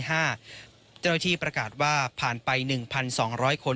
เจ้าหน้าที่ประกาศว่าผ่านไป๑๒๐๐คน